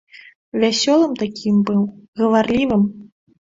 Вясёлым такім быў, гаварлівым.